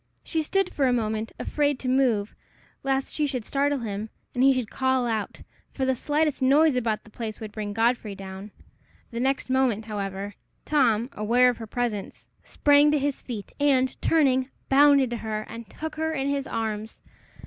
She stood for a moment, afraid to move, lest she should startle him, and he should call out, for the slightest noise about the place would bring Godfrey down. The next moment, however, Tom, aware of her presence, sprang to his feet, and, turning, bounded to her, and took her in his arms.